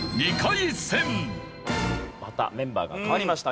またメンバーが変わりました。